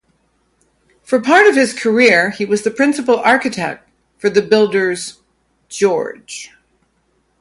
For part of his career he was the principal architect for the builders George.